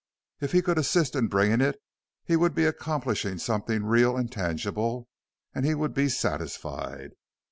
If he could assist in bringing it he would be accomplishing something real and tangible and he would be satisfied.